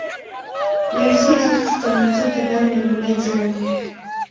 لړزې اخیستی وم ځکه دا مې لومړی ځل و